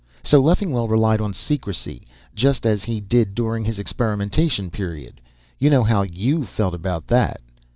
So Leffingwell relied on secrecy, just as he did during his experimentation period. You know how you felt about that.